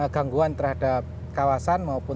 gangguan terhadap kawasan maupun